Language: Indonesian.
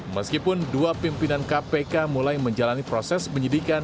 meskipun dua pimpinan kpk mulai menjalani proses penyidikan